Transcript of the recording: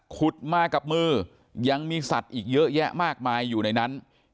ขุดมากับมือยังมีสัตว์อีกเยอะแยะมากมายอยู่ในนั้น